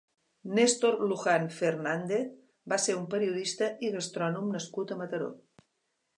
Nèstor Luján Fernández va ser un periodista i gastrònom nascut a Mataró.